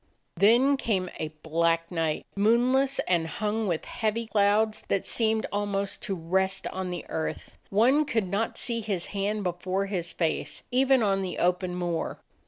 Then came a black night, moonless, and hung with heavy clouds that seemed ahnost to rest on the earth; one could not see his hand before his face, even on the open moor.